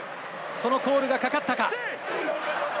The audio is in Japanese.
そのコールがかかったか？